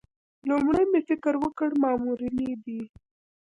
لومړی مې فکر وکړ مامورینې دي.